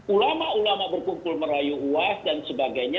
ulama ulama berkumpul merayu uas dan sebagainya